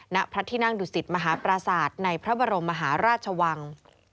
ณพระที่นั่งดุสิตมหาปราศาสตร์ในพระบรมมหาราชวัง